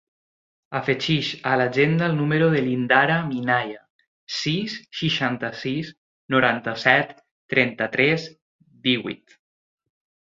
Afegeix a l'agenda el número de l'Indara Minaya: sis, seixanta-sis, noranta-set, trenta-tres, divuit.